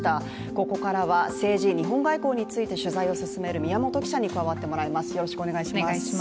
ここからは政治・日本外交について取材を進める宮本記者に加わっていただきます